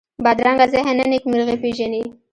بدرنګه ذهن نه نېکمرغي پېژني